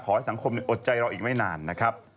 ให้สังคมอดใจเราอีกไม่นานนะครับ